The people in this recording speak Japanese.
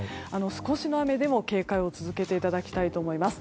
少しの雨でも、警戒を続けていただきたいと思います。